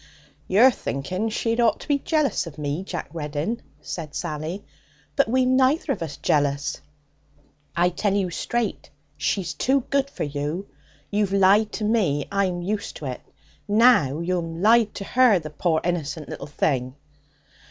'You're thinking she'd ought to be jealous of me, Jack Reddin,' said Sally. 'But we'm neither of us jealous! I tell you straight! She's too good for you. You've lied to me; I'm used to it. Now you'm lied to her the poor innicent little thing!'